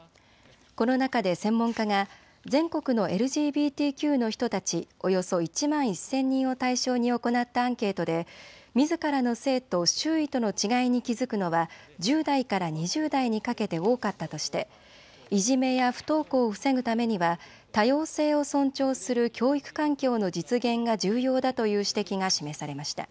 この中で専門家が全国のＬＧＢＴＱの人たちおよそ１万１０００人を対象に行ったアンケートでみずからの性と周囲との違いに気付くのは１０代から２０代にかけて多かったとしていじめや不登校を防ぐためには多様性を尊重する教育環境の実現が重要だという指摘が示されました。